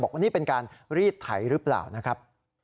บอกว่านี่เป็นการรีดไถหรือเปล่านะครับ